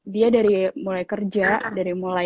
dia dari mulai kerja dari mulai belajar dia tuh mulai belajar